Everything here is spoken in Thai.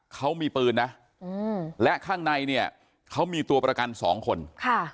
เขามีปืนนะอืมและข้างในเนี่ยเขามีตัวประกันสองคนค่ะ